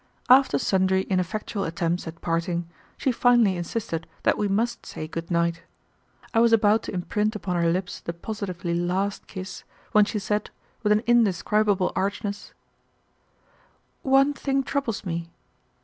After sundry ineffectual attempts at parting, she finally insisted that we must say good night. I was about to imprint upon her lips the positively last kiss, when she said, with an indescribable archness: "One thing troubles me.